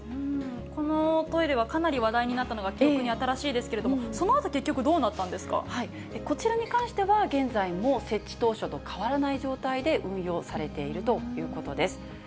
このトイレはかなり話題になったのが記憶に新しいですけれども、そのあと結局どうなったんでこちらに関しては、現在も設置当初と変わらない状態で運用されているということです。